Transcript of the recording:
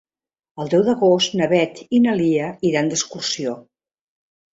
El deu d'agost na Beth i na Lia iran d'excursió.